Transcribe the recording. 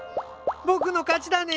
僕の勝ちだね。